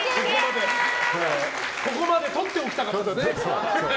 ここまでとっておきたかったんですね。